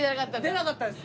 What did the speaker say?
出なかったです。